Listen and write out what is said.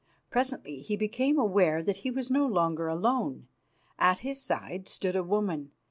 Presently he became aware that he was no longer alone. At his side stood a woman.